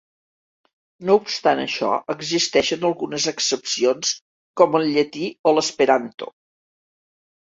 No obstant això, existeixen algunes excepcions com el llatí o l'esperanto.